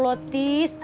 masya allah tis